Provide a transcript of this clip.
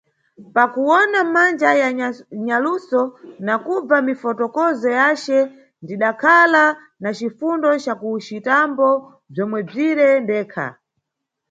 Pa kuwona manja ya nyaluso na kubva mifotokozo yace ndidakhala na cifundo ca kucitambo bzomwebzire ndekha.